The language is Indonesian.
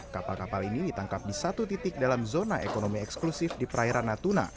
kapal kapal ini ditangkap di satu titik dalam zona ekonomi eksklusif di perairan natuna